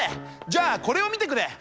じゃあこれをみてくれ！